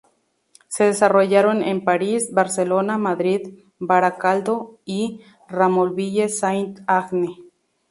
Se desarrollaron en París, Barcelona, Madrid, Baracaldo y Ramonville-Saint-Agne.